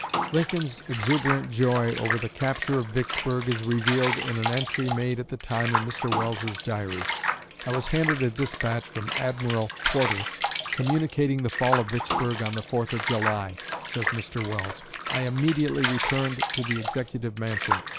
Lincoln's exuberant joy over the capture of Vicksburg is revealed in an entry made at the time in Mr. Welles's Diary. "I was handed a despatch from Admiral Porter, communicating the fall of Vicksburg on the Fourth of July," says Mr. Welles. "I immediately returned to the Executive Mansion.